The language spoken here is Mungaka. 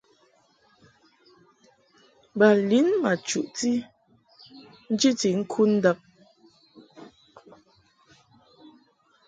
Ba lin ma chuʼti njiti ŋkud ndab.